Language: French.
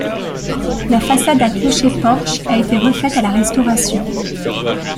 La façade à clocher-porche a été refaite à la Restauration.